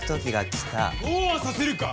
そうはさせるか。